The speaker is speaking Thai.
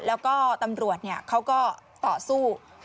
แล้วก็ตำรวจเขาก็ต่อสู้